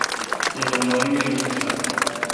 تے بمبئ می راݭل ݭات۔